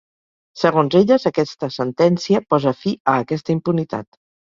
Segons elles, aquesta sentència posa fi a aquesta impunitat.